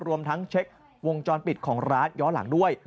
รวมทั้งเช็ควงจรปิดของร้านย้อนหลังด้วย